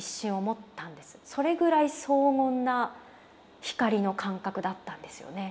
それぐらい荘厳な光の感覚だったんですよね。